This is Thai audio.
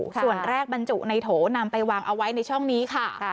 ส่วนแรกบรรจุในโถนำไปวางเอาไว้ในช่องนี้ค่ะ